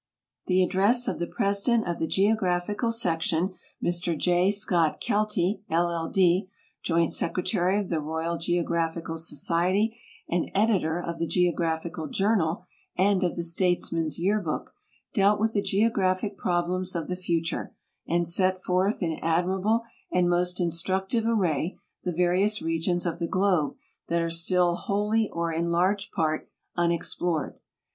The address of the President of the Geographical Section, Mr J. Scott Keltic, I.L. D., Joint Secretary of the Royal Geographical Society and Editor of the GeographicalJournal and of the Statesman's Year Book, dealt with the geographic problems of the future and set forth in ad mirable and most instructive array the various regions of the globe that are still wholly or in large part unexplored.